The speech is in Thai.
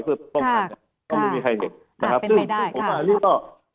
ไม่มีใครเห็นนะครับ